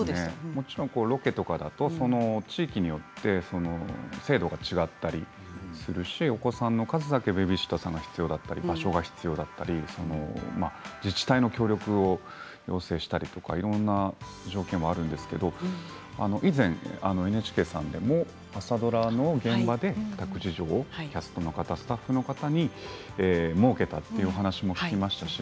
もちろんふだんロケだと地域によって制度が違ったりするしお子さんの数だけベビーシッターさんが必要だったり場所が必要だったり自治体の協力を要請したりとかいろんな条件があるんですけれど以前、ＮＨＫさんでも朝ドラの現場で託児所をキャストの方スタッフの方に設けたという話も聞きましたし